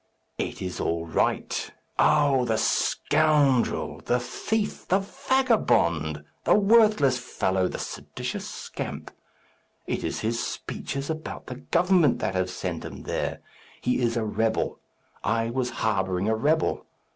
"It is all right! Oh, the scoundrel! the thief! the vagabond! the worthless fellow! the seditious scamp! It is his speeches about the government that have sent him there. He is a rebel. I was harbouring a rebel.